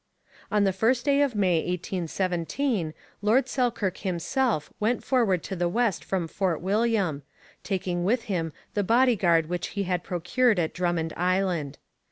On the first day of May 1817 Lord Selkirk himself went forward to the west from Fort William, taking with him the bodyguard which he had procured at Drummond Island.